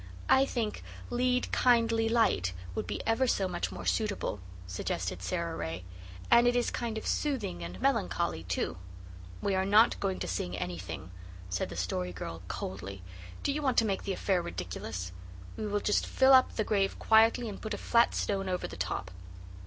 "I think 'Lead, kindly light,' would be ever so much more suitable," suggested Sara Ray, "and it is kind of soothing and melancholy too." "We are not going to sing anything," said the Story Girl coldly. "Do you want to make the affair ridiculous? We will just fill up the grave quietly and put a flat stone over the top."